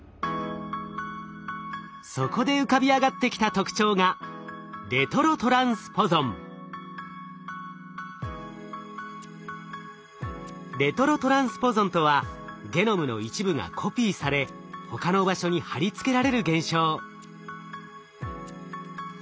そこで浮かび上がってきた特徴がレトロトランスポゾンとはゲノムの一部がコピーされ他の場所に貼り付けられる現象。